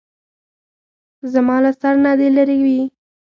زما له سر نه دې لېرې وي.